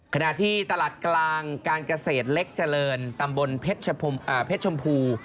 ขณะที่ตลาดกลางการเกษตรเล็กเจริญตำบลเพชรชมพู